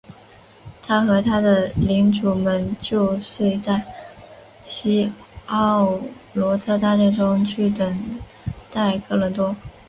他和他的领主们就睡在希奥罗特大殿中去等待哥伦多。